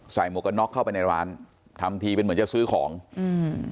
หมวกกันน็อกเข้าไปในร้านทำทีเป็นเหมือนจะซื้อของอืม